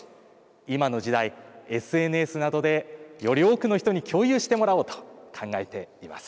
今の時代ＳＮＳなどでより多くの人に共有してもらおうと考えています。